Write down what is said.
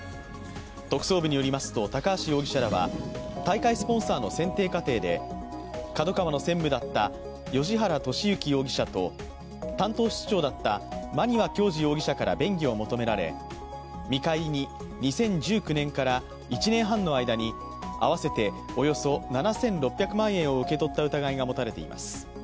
特捜部によりますと高橋容疑者らは大会スポンサーの選定過程でＫＡＤＯＫＡＷＡの専務だった芳原世幸容疑者と担当室長だった馬庭教二容疑者から便宜を求められ、見返りに２０１９年から１年半の間に合わせておよそ７６００万円を受け取った疑いがもたれています。